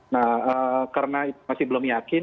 nah karena masih belum yakin